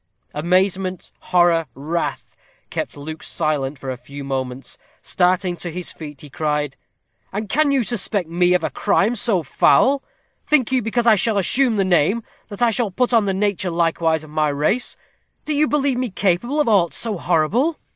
Amazement, horror, wrath, kept Luke silent for a few moments. Starting to his feet, he cried: "And can you suspect me of a crime so foul? Think you, because I shall assume the name, that I shall put on the nature likewise of my race? Do you believe me capable of aught so horrible?"